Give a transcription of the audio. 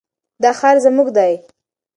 دا ښار زموږ دی.